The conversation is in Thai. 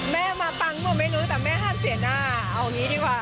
แม่มาปังก็ไม่รู้แต่แม่ห้ามเสียหน้าเอางี้ดีกว่า